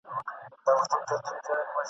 مور یې کړله په یوه ګړي پر بوره !.